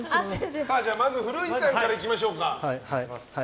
まず古市さんからいきましょうか。